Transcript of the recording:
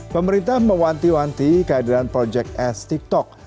pemerintah mewanti wanti keadaan project s tiktok